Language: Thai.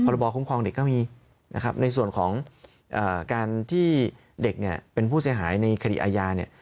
ระบอคุ้มครองเด็กก็มีนะครับในส่วนของการที่เด็กเนี่ยเป็นผู้เสียหายในคดีอาญาเนี่ย